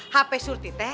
hape surti teh